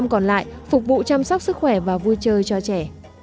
năm mươi còn lại phục vụ chăm sóc sức khỏe và vui chơi cho trẻ